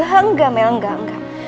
enggak nelly enggak